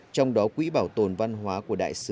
trong đó quỹ bảo tồn văn hóa của đại sứ